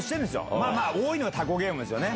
まあまあ、多いのはタコゲームですよね。